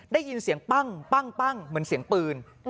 ได้ยินเสียงปั้งเหมือนเสียงปืน